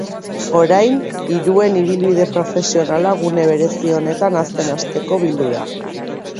Orain, hiruen ibilbide profesionala gune berezi honetan hazten hasteko bildu da.